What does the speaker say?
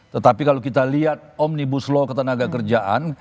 tetapi kalau kita lihat omnibus law ketenaga kerjaan